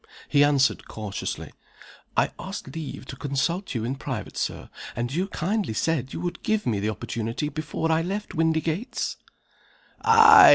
He answered cautiously, "I asked leave to consult you in private, Sir; and you kindly said you would give me the opportunity before I left Windygates?" "Ay!